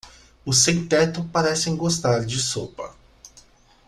Os sem-teto parecem gostar de sopa.